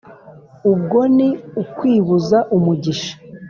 «ubwo ni ukwibuza umugisha: